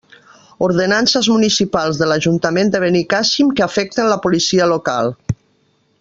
Ordenances municipals de l'ajuntament de Benicàssim que afecten la Policia Local.